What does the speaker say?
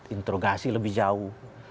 interogasi lebih jauh